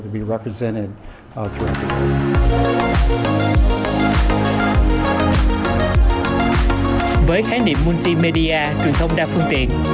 với khái niệm multimedia truyền thông đa phương tiện